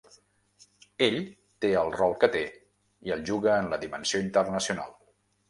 Ell té el rol que té i el juga en la dimensió internacional.